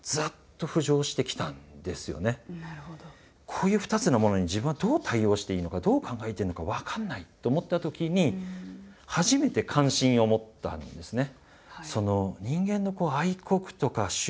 こういう２つのものに自分はどう対応していいのかどう考えていいのか分かんないと思ったときに初めて関心を持ったんですね。